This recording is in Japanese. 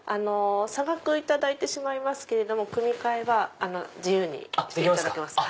差額頂いてしまいますけれども組み替えは自由にしていただけます。